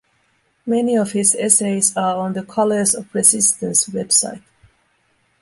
Many of his essays are on the 'Colours of Resistance' website.